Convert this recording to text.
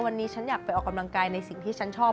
วันนี้ฉันอยากไปออกกำลังกายในสิ่งที่ฉันชอบ